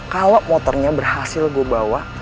kalau motornya berhasil gue bawa